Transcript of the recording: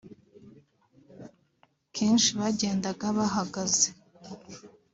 kenshi bagendaga bahagaze